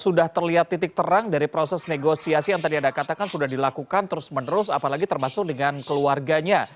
sudah terlihat titik terang dari proses negosiasi yang tadi anda katakan sudah dilakukan terus menerus apalagi termasuk dengan keluarganya